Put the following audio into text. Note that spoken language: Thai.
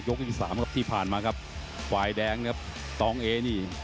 ที่สามครับที่ผ่านมาครับฝ่ายแดงนะครับตองเอนี่